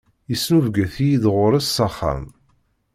Yesnubget-iyi-d ɣur-s s axxam.